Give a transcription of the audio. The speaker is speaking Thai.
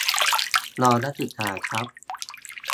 รอนักศึกษาครับ